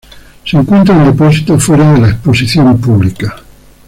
Se encuentra en depósito, fuera de la exposición pública.